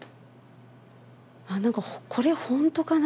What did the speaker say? ああ、なんか、これ本当かな？